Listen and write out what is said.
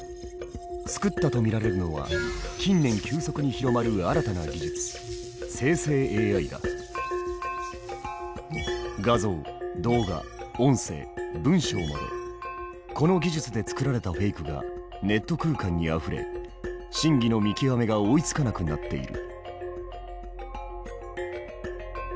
作ったと見られるのは近年急速に広まる新たな技術画像動画音声文章までこの技術で作られたフェイクがネット空間にあふれ真偽の見極めが追いつかなくなっている。